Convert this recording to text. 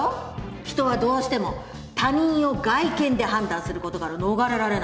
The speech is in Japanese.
人はどうしても他人を外見で判断することから逃れられないでしょ。